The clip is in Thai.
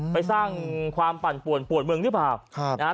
ไปสร้างความปั่นป่วนปวดเมืองหรือเปล่านะฮะ